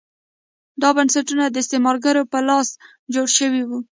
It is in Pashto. دا بنسټونه د استعمارګرو په لاس جوړ شوي وو.